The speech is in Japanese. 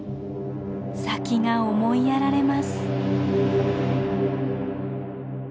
先が思いやられます。